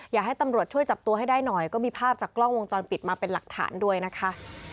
อยากให้ตำรวจช่วยจับตัวให้ได้หน่อยก็มีภาพจากกล้องวงจรปิดมาเป็นหลักฐานด้วยนะคะ